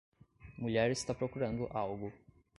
Mulher está procurando algo.